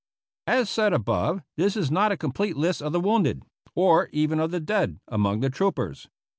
As said above, this is not a complete list of the wounded, or even of the dead, among the troopers.